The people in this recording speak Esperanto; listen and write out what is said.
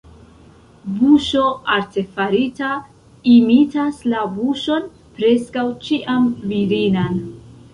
Buŝo artefarita imitas la buŝon, preskaŭ ĉiam virinan.